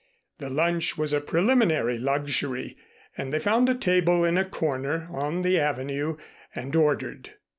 The lunch was a preliminary luxury and they found a table in a corner on the Avenue and ordered.